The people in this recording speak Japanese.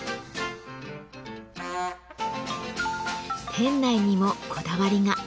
店内にもこだわりが。